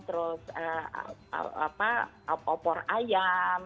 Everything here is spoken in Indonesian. terus opor ayam